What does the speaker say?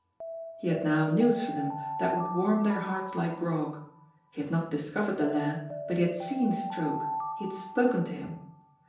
He had now news for them that would warm their hearts like grog. He had not discovered the Lair, but he had seen Stroke, he had spoken to him!